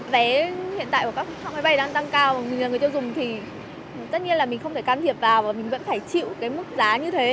vé hiện tại của các máy bay đang tăng cao mình là người tiêu dùng thì tất nhiên là mình không thể can thiệp vào và mình vẫn phải chịu cái mức giá như thế